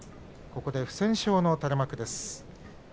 ここで不戦勝の垂れ幕です。